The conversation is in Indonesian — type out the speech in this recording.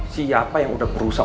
siapa yang udah berusaha